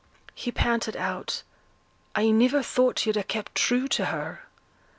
He panted out, 'I niver thought you'd ha' kept true to her!'